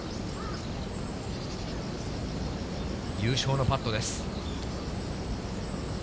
優勝のパットです。